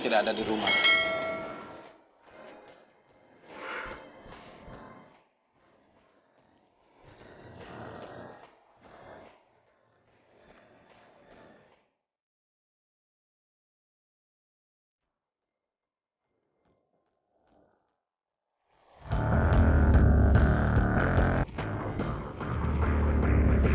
keluar keluar hei